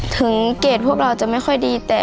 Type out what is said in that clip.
เกรดพวกเราจะไม่ค่อยดีแต่